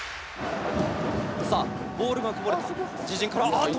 さあ、ボールがこぼれた。